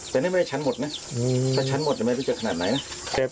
แต่นี่ไม่ได้ชั้นหมดนะถ้าชั้นหมดไม่รู้จะขนาดไหนนะ